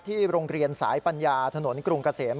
โรงเรียนสายปัญญาถนนกรุงเกษม